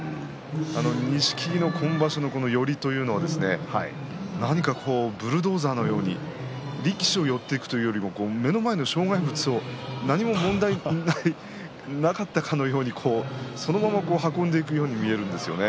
錦木の今場所の寄りというのは何かブルドーザーのように力士に寄っていくというよりは障害物を何も問題なくそのまま運んでいくように見えるんですよね。